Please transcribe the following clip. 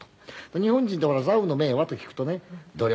日本人ってほら「座右の銘は？」と聞くとね努力